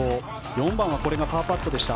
４番はパーパットでした。